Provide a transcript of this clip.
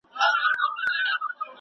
پلار ئې ورته وايي چي دغه نعمت پټ کړه!